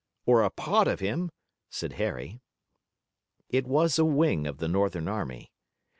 "Or a part of him," said Harry. It was a wing of the Northern army.